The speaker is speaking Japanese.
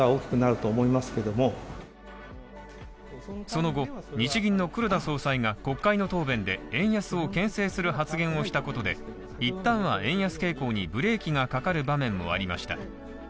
その後、日銀の黒田総裁が国会の答弁で円安をけん制する発言をしたことで一旦は円安傾向にブレーキがかかる場面もありました。